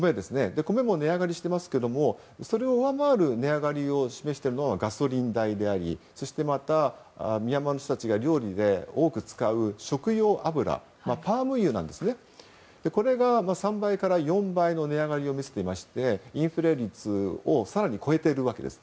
米も値上がりしていますがそれを上回る値上がりを示しているのはガソリン代でありそしてミャンマーの人たちが料理で多く使う食用油、パーム油が３倍から４倍の値上がりを見せていまして、インフレ率を更に超えているわけです。